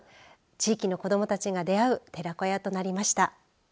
地域の子どもたちが出会う寺子屋となりました。